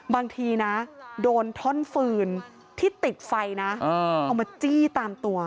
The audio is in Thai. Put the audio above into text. บางทีนะโดนท่อนฟืนที่ติดไฟนะเอามาจี้ตามตัว